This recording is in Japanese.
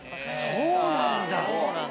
そうなんだ！